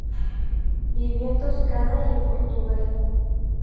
Vivió en Toscana y en Portugal.